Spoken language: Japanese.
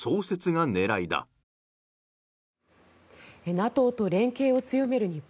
ＮＡＴＯと連携を強める日本。